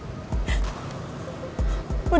perasaan anak anak dikorbankan demi kepentingan orang tuanya